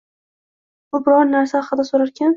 U biror narsa haqida so‘rarkan